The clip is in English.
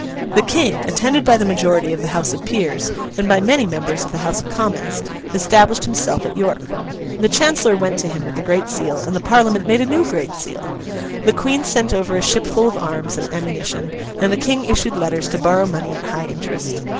The King, attended by the majority of the House of Peers, and by many members of the House of Commons, established himself at York. The Chancellor went to him with the Great Seal, and the Parliament made a new Great Seal. The Queen sent over a ship full of arms and ammunition, and the King issued letters to borrow money at high interest.